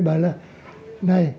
bảo là này